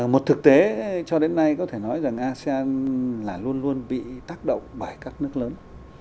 một thực tế cho đến nay có thể nói rằng asean là luôn luôn bị tác động bởi các nước lớn